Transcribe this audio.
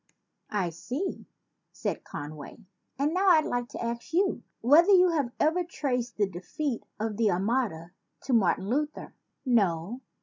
"I see," said Conway, "and now I'd like to ask you whether you have ever traced the de feat of the Armada to Martin Luther? No?